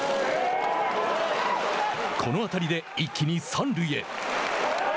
この当たりで一気に三塁へ。